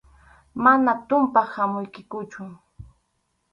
Manam tumpaq hamuykikuchu.